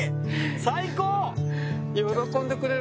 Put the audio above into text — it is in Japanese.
最高！